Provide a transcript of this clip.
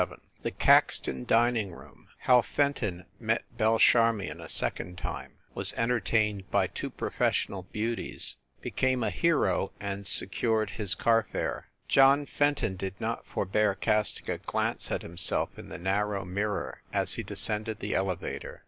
VII THE CAXTON DINING ROOM HOW FENTON MET BELLE CHARMION A SECOND TIME, WAS ENTERTAINED BY TWO PROFESSIONAL BEAUTIES, BECAME A HERO, AND SE CURED HIS CARFARE JOHN FENTON did not forbear casting a glance at himself in the narrow mirror as he descended the elevator.